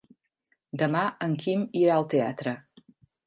Demà en Quim irà al teatre.